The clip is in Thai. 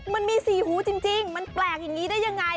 มันมีสี่หูจริงมันแปลกอย่างนี้ได้ยังไง